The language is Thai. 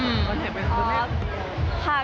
อืมว่าจะเป็นคุณแม่